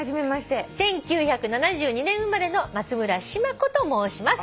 「１９７２年生まれの松村志麻子と申します」